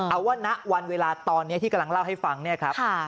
เอาว่าณวันเวลาตอนนี้ที่กำลังเล่าให้ฟังเนี่ยครับ